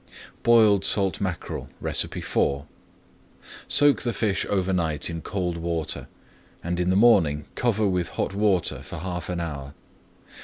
BOILED SALT MACKEREL IV Soak the fish over night in cold water, and in the morning cover with hot water for half an hour.